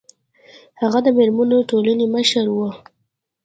هغه د میرمنو ټولنې مشره وه